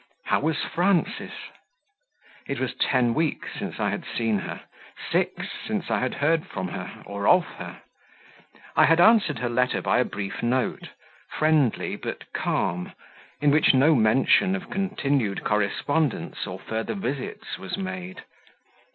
How was Frances? It was ten weeks since I had seen her, six since I had heard from her, or of her. I had answered her letter by a brief note, friendly but calm, in which no mention of continued correspondence or further visits was made.